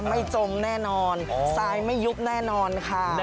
จมแน่นอนทรายไม่ยุบแน่นอนค่ะ